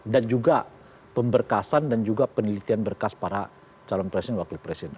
dan juga pemberkasan dan juga penelitian berkas para calon presiden dan wakil presiden